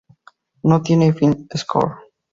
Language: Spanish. No tiene film score.